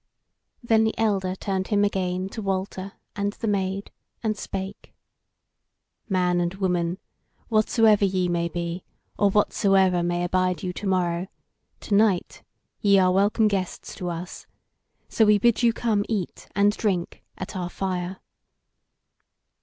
Then the elder turned him again to Walter and the Maid, and spake: "Man and woman, whatsoever ye may be, or whatsoever may abide you to morrow, to night, ye are welcome guests to us; so we bid you come eat and drink at our fire."